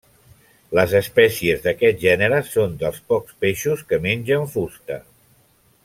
Les espècies d'aquest gènere són dels pocs peixos que mengen fusta.